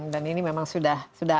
dan ini memang sudah ada lah